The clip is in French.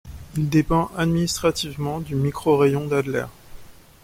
Il dépend administrativement du microraïon d'Adler.